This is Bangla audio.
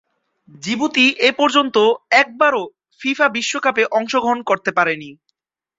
জিবুতি এপর্যন্ত একবারও ফিফা বিশ্বকাপে অংশগ্রহণ করতে পারেনি।